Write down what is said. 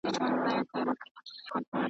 که د سهار ورک ماښام کور ته راسي ورک نه دئ